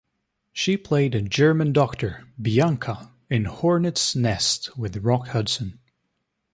She played a German doctor, Bianca, in "Hornets' Nest" with Rock Hudson.